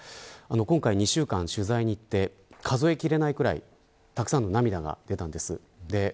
今回２週間、取材に行って数え切れないくらいたくさんの涙が出たんです。